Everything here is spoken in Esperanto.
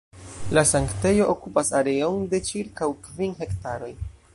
La sanktejo okupas areon de ĉirkaŭ kvin hektaroj.